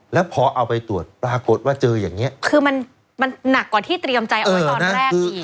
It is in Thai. แล้วพอเอาไปตรวจปรากฏว่าเจออย่างเงี้ยคือมันมันหนักกว่าที่เตรียมใจเอาไว้ตอนแรกอีก